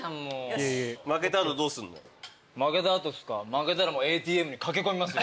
負けたらＡＴＭに駆け込みますよ。